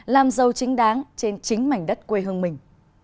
làm giàu chính đáng trên chính mảnh đất quê hương mình